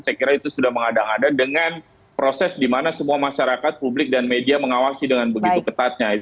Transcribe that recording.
saya kira itu sudah mengadang ada dengan proses di mana semua masyarakat publik dan media mengawasi dengan begitu ketatnya